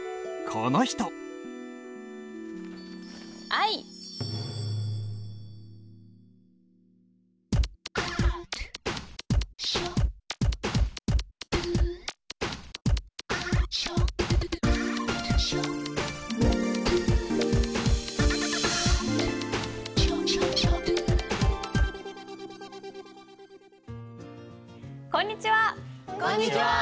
こんにちは！